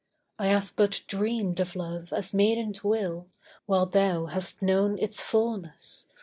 I have but dreamed of love as maidens will While thou hast known its fulness.